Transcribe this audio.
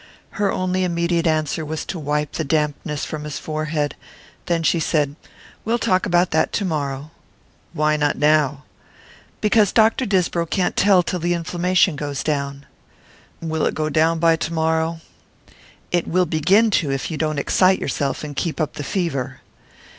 Her only immediate answer was to wipe the dampness from his forehead; then she said: "We'll talk about that to morrow." "Why not now?" "Because Dr. Disbrow can't tell till the inflammation goes down." "Will it go down by to morrow?" "It will begin to, if you don't excite yourself and keep up the fever."